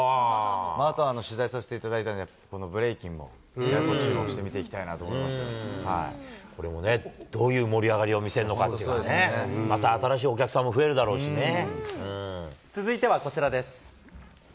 あとは取材させていただいたんで、ブレイキンも注目して見ていきたこれもね、どういう盛り上がりを見せるのかっていうのがね、また新しいお客続いてはこちらです。